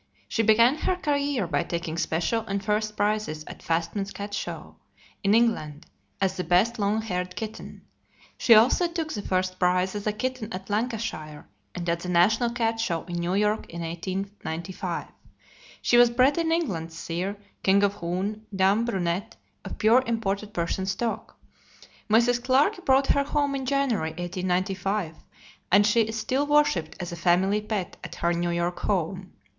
She began her career by taking special and first prizes at Fastmay's Cat Show in England, as the best long haired kitten. She also took the first prize as a kitten at Lancashire, and at the National Cat Show in New York in 1895. She was bred in England; sire, King of Uhn; dam, Brunette, of pure imported Persian stock. Mrs. Clarke brought her home in January, 1895, and she is still worshipped as a family pet at her New York home.